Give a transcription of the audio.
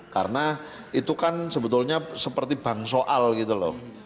karena itu kan sebetulnya seperti bangsoal gitu loh